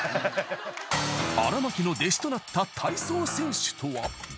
［荒牧の弟子となった体操選手とは？］